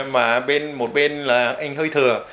mà một bên là anh hơi thừa